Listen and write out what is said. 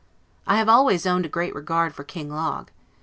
I have always owned a great regard for King Log.